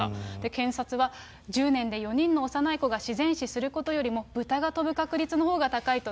検察は、１０年で４人の幼い子が自然死することよりも、豚が飛ぶ確率のほうが高いと。